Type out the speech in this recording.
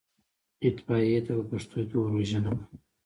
اطفائيې ته په پښتو کې اوروژنه وايي.